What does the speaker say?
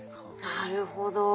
なるほど。